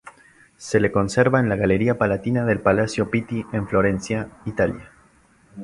Se conserva en la Galería Palatina del Palacio Pitti, en Florencia, Italia.